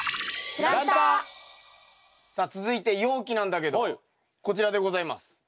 さあ続いて容器なんだけどこちらでございます。